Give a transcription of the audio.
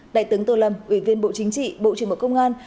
đại tướng tô lâm ủy viên bộ chính trị bộ trưởng bộ công an